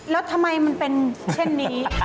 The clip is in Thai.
แล้วทำไมมันเป็นเช่นนี้